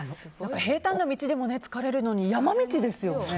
平坦な道でも疲れるのに山道ですよね。